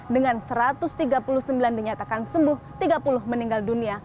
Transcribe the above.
dengan satu ratus tiga puluh sembilan dinyatakan sembuh tiga puluh meninggal dunia